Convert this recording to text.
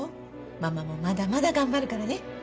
ママもまだまだ頑張るからね